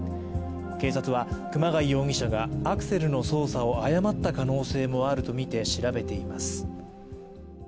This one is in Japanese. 警察は熊谷容疑者がアクセルの操作を誤った可能性もあるとみて調べています。